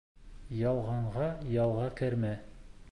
Ялғанға ялға кермә.